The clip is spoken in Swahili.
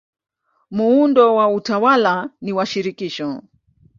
Muundo wa utawala ni wa shirikisho.